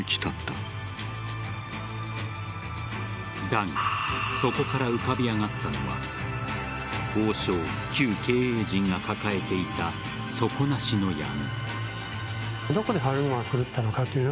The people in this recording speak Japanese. だがそこから浮かび上がったのは王将旧経営陣が抱えていた底なしの闇。